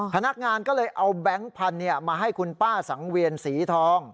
พนักงานก็เลยเอาแบงค์พันธุ์มาให้คุณป้าสังเวียนสีทอง